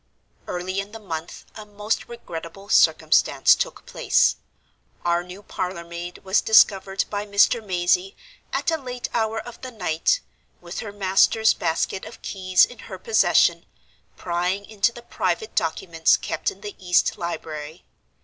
"Early in the month a most regrettable circumstance took place. Our new parlor maid was discovered by Mr. Mazey, at a late hour of the night (with her master's basket of keys in her possession), prying into the private documents kept in the east library.